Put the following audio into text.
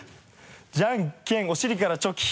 じゃんけんお尻からチョキ。